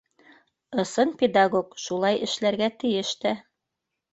Ысын педагог шулай эшләргә тейеш тә.